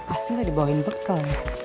asli gak dibawain bekel